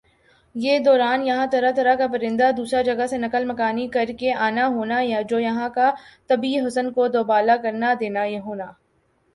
یِہ دوران یَہاں طرح طرح کا پرندہ دُوسْرا جگہ سے نقل مکانی کرکہ آنا ہونا جو یَہاں کا طبعی حسن کو دوبالا کرنا دینا ہونا